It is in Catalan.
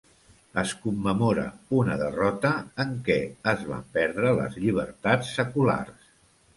Es commemora una derrota en què es van perdre les llibertats seculars.